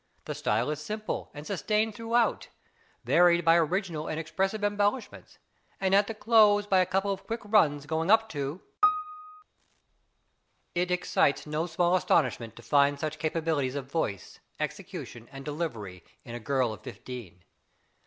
The style is simple and sustained throughout, varied by original and expressive embellishments, and at the close by a couple of quick runs going up to [See Page Image] It excites no small astonishment to find such capabilities of voice, execution, and delivery in a girl of fifteen.